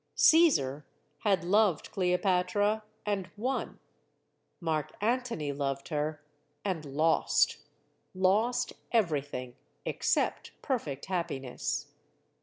Caesar had loved Cleopatra and won. Mark Antony loved her and lost; lost everything except perfect happiness.